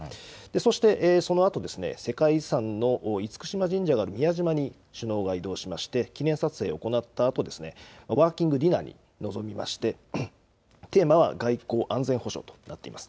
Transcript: そしてそのあと世界遺産の厳島神社がある宮島に首脳は移動して記念撮影を行ったあとワーキングディナーに臨みましてテーマは外交・安全保障となっています。